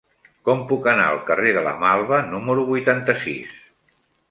Com puc anar al carrer de la Malva número vuitanta-sis?